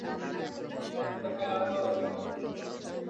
ঈশ্বর তোকে লানত দিক!